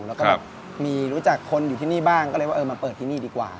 แล้วก็แบบมีรู้จักคนอยู่ที่นี่บ้างก็เลยว่าเออมาเปิดที่นี่ดีกว่า